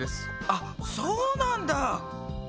あっそうなんだ。